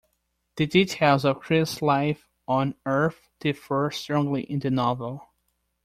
The details of Chris's life on Earth differ strongly in the novel.